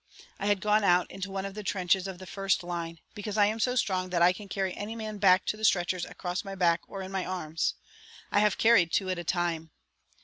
I had gone out into one of the trenches of the first line, because I am so strong that I can carry any man back to the stretchers across my back or in my arms. I have carried two at a time.